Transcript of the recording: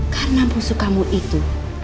bakalan memanfaatkan rasa kasihan kamu itu